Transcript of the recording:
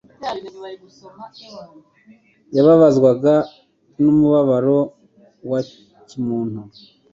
yababazwaga n'umubabaro wa kimuntu.